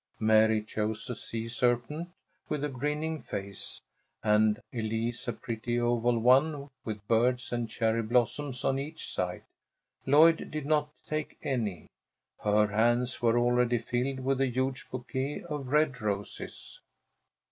Mary chose a sea serpent with a grinning face, and Elise a pretty oval one with birds and cherry blossoms on each side. Lloyd did not take any. Her hands were already filled with a huge bouquet of red roses.